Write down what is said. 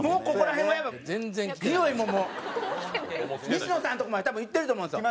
西野さんのとこまで多分行ってると思うんすよ。